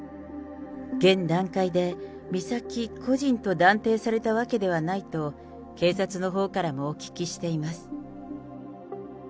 現段階で美咲個人と断定されたわけではないと、警察のほうからもお聞きしています。